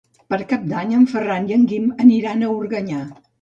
Per Cap d'Any en Ferran i en Guim aniran a Organyà.